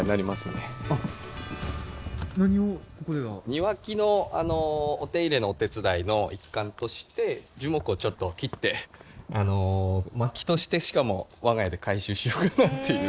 庭木のお手入れのお手伝いの一環として樹木をちょっと切って薪としてしかも我が家で回収しようかなっていう。